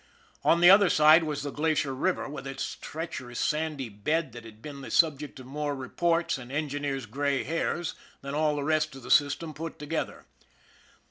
On the other side was the Glacier River with its treacherous sandy bed that had been the subject of more reports and engineers' gray hairs than all the rest of the system put together.